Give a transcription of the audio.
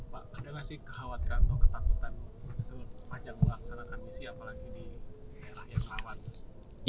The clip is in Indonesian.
pak ada nggak sih kekhawatiran atau ketakutan sepanjang melaksanakan misi apalagi di daerah yang rawan